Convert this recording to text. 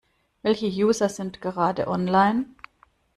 Welche User sind gerade online?